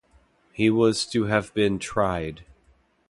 He was to have been tried.